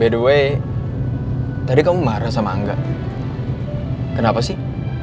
by the way tadi kamu marah sama angga kenapa sih